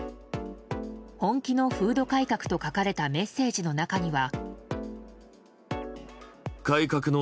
本気の風土改革と書かれたメッセージの中には。